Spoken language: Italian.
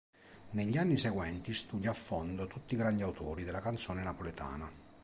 Negli anni seguenti studia a fondo tutti grandi autori della Canzone napoletana.